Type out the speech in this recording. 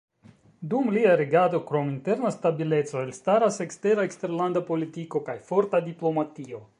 Dum lia regado, krom interna stabileco, elstaras ekstera eksterlanda politiko kaj forta diplomatio.